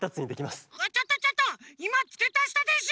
ちょっとちょっといまつけたしたでしょ！